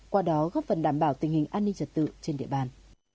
qua đó góp phần đảm bảo tình hình an ninh trật tự trên địa bàn